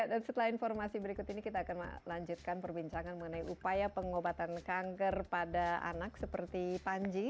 dan setelah informasi berikut ini kita akan lanjutkan perbincangan mengenai upaya pengobatan kanker pada anak seperti panji